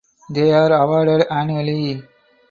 They are awarded annually.